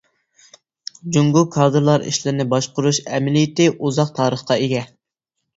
جۇڭگو كادىرلار ئىشلىرىنى باشقۇرۇش ئەمەلىيىتى ئۇزاق تارىخقا ئىگە.